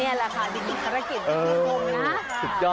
นี่แหละค่ะดินมีธรกิจทุกคนนะ